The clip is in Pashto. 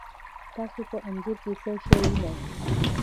تاسو په انځور کې څه شی وینئ؟